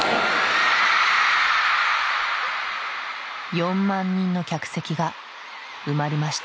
４万人の客席が埋まりました。